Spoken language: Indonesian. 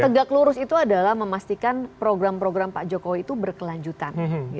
tegak lurus itu adalah memastikan program program pak jokowi itu berkelanjutan